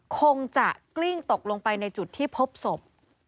คงจะกลิ้งตกลงไปในจุดที่พบศพ